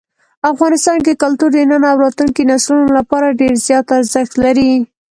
افغانستان کې کلتور د نن او راتلونکي نسلونو لپاره ډېر زیات ارزښت لري.